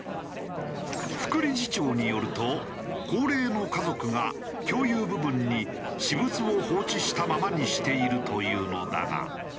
副理事長によると高齢の家族が共有部分に私物を放置したままにしているというのだが。